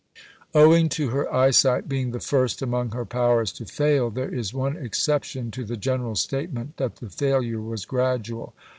Owing to her eyesight being the first among her powers to fail, there is one exception to the general statement that the failure was gradual.